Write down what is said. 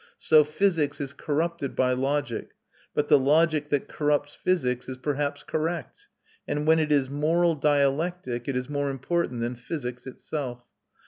So physics is corrupted by logic; but the logic that corrupts physics is perhaps correct, and when it is moral dialectic, it is more important than physics itself.